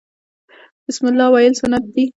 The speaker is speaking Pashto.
بسم الله ویل سنت دي